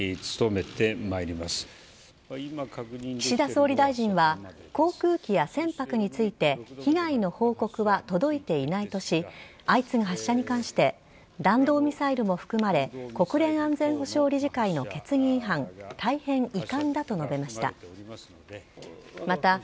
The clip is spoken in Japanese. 岸田総理大臣は航空機や船舶について被害の報告は届いていないとし相次ぐ発射に関して弾道ミサイルも含まれ国連安全保障理事会の決議違反大変遺憾だと述べました。